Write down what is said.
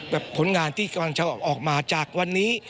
ผลงานที่กำลังจะออกมาจากวันนี้